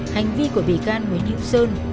hành vi của bị can nguyễn như sơn